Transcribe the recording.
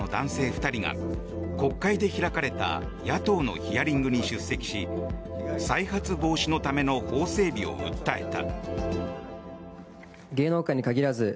２人が国会で開かれた野党のヒアリングに出席し再発防止のための法整備を訴えた。